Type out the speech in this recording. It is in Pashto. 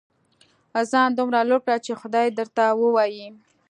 ځان دومره لوړ کړه چې خدای درته ووايي.